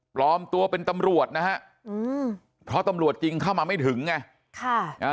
ปลอมตัวเป็นตำรวจนะฮะอืมเพราะตำรวจจริงเข้ามาไม่ถึงไงค่ะอ่า